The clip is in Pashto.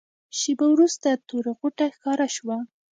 شېبه وروسته توره غوټه ښکاره شوه.